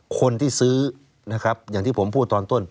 คนที่ซื้ออย่างที่ผมพูดตอนต้น